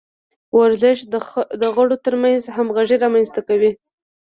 ورزش د غړو ترمنځ همغږي رامنځته کوي.